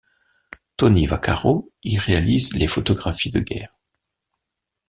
Tony Vaccaro y réalise les photographies de guerre.